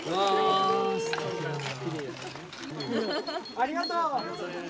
ありがとう！